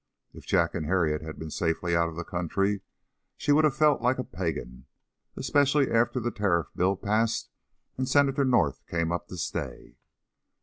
If Jack and Harriet had been safely out of the country, she would have felt like a Pagan, especially after the Tariff Bill passed and Senator North came up to stay.